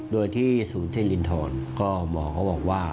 โดยที่ศูนย์เทรินทรก็หมอเขาบอกว่า